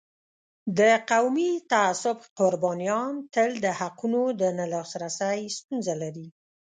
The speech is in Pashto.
د قومي تعصب قربانیان تل د حقونو د نه لاسرسی ستونزه لري.